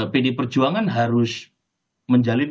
pdi perjuangan harus menjalin